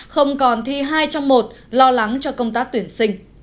không còn thi hai trong một lo lắng cho công tác tuyển sinh